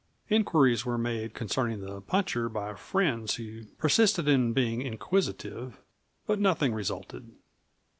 Inquiries were made concerning the puncher by friends who persisted in being inquisitive, but nothing resulted.